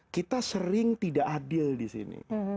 kita sering tidak adil disini